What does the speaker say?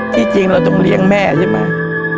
จริงเราต้องเลี้ยงแม่ใช่ไหม